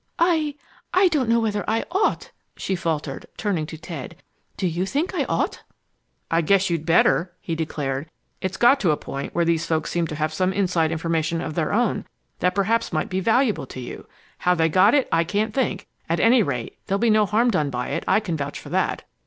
"I I don't know whether I ought!" she faltered, turning to Ted. "Do you think I ought?" "I guess you'd better!" he declared. "It's got to a point where these folks seem to have some inside information of their own that perhaps might be valuable to you. How they got it, I can't think. At any rate, there'll be no harm done by it, I can vouch for that.